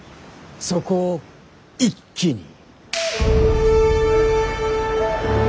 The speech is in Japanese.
そこを一気に。